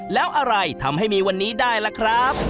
แล้วอะไรทำให้มีวันนี้ได้ล่ะครับ